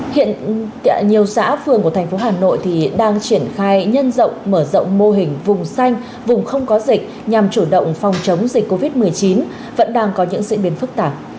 hiện nhiều xã phường của thành phố hà nội đang triển khai nhân rộng mở rộng mô hình vùng xanh vùng không có dịch nhằm chủ động phòng chống dịch covid một mươi chín vẫn đang có những diễn biến phức tạp